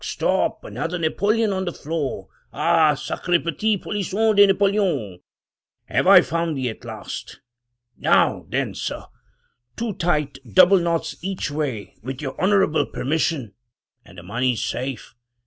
Stop! another napoleon on the floor! Ah! sacre petit polisson de Napoleon! have I found thee at last? Now then, sir — two tight double knots each way with your honorable permission, and the money's safe.